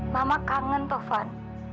mama kangen taufan